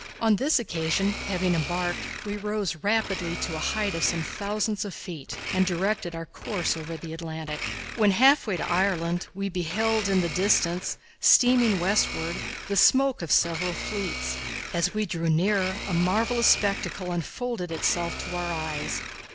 On this occasion, having embarked, we rose rapidly to a height of some thousands of feet and directed our course over the Atlantic. When half way to Ireland, we beheld, in the distance, steaming westward, the smoke of several fleets. As we drew nearer a marvellous spectacle unfolded itself to our eyes.